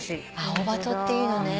アオバトっていうのね。